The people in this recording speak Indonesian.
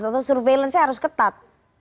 atau surveillance nya harus ketat